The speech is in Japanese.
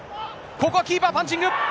ここはキーパー、パンチング。